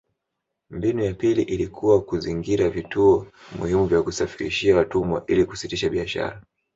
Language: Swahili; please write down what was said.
Mbinu ya pili ilikuwa kuzingira vituo muhimu vya kusafirishia watumwa ili kusitisha biashara